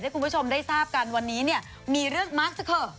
ให้คุณผู้ชมได้ทราบกันวันนี้เนี่ยมีเรื่องมาสเกอร์